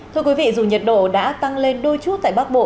thưa quý vị dù nhiệt độ đã tăng lên đôi chút tại bắc bộ